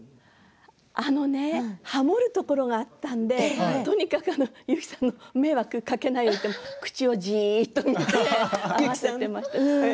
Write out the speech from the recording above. あのね、ハモるところがあったのでとにかく由紀さんに迷惑をかけないようにと口をジーッと見ていました。